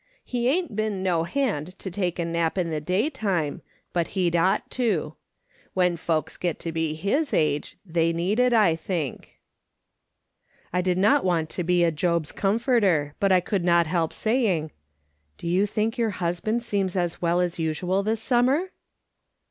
He ain't been no hand to take a nap in the daytime, but he'd ought to. AVhen folks get to be his age they need it, I think." I did not want to be a Job's comforter, but I could not help saying : 298 M/^S. SOLOMON SMITH LOOKING ON. " Do you think your husband seems as well as usual this summer